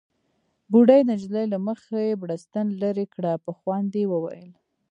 بوډۍ د نجلۍ له مخې بړستن ليرې کړه، په خوند يې وويل: